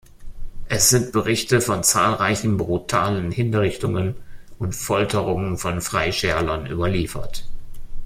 Es sind Berichte von zahlreichen brutalen Hinrichtungen und Folterungen von Freischärlern überliefert.